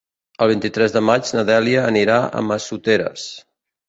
El vint-i-tres de maig na Dèlia anirà a Massoteres.